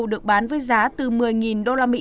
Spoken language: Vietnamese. được bán với giá từ một mươi usd